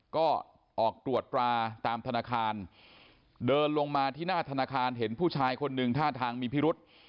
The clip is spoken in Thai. ก็ออกตรวจตราตามธนาคารเดินลงมาที่หน้าธนาคารเห็นผู้ชายคนหนึ่งท่าทางมีพิรุษ